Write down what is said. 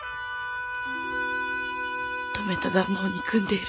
止めた旦那を憎んでいる。